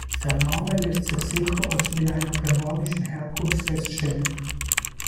Der Name lässt sich sicher als mit einer germanischen Herkunft feststellen.